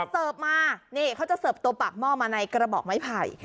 เสิร์ฟมานี่เขาจะเสิร์ฟตัวปากหม้อมาในกระบอกไม้ไผ่